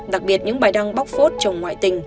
đặc biệt những bài đăng bóc phốt trồng ngoại tình